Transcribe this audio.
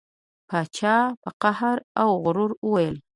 پاچا په قهر او غرور وویل.